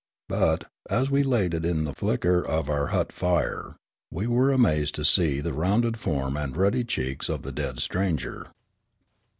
But, as we laid it in the flicker of our hut fire, we were amazed to see the rounded form and rudd}' cheeks of the dead stranger.